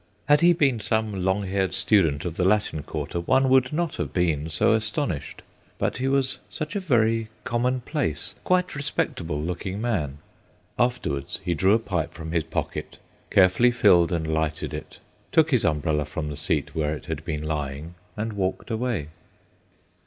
Had he been some long haired student of the Latin Quarter one would not have been so astonished. But he was such a very commonplace, quite respectable looking man. Afterwards he drew a pipe from his pocket, carefully filled and lighted it, took his umbrella from the seat where it had been lying, and walked away.